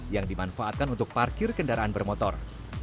yang dimanfaatkan untuk parkir kendaraan bermotor